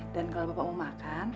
dan kalau bapak mau makan